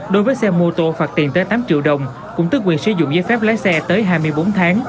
đối với xe mô tô phạt tiền tới tám triệu đồng cũng tức quyền sử dụng giấy phép lái xe tới hai mươi bốn tháng